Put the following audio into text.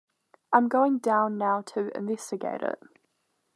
I'm going down now to investigate it.